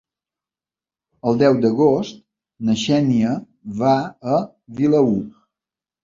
El deu d'agost na Xènia va a Vilaür.